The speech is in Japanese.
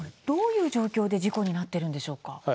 どういう状況で事故になっているんでしょうか。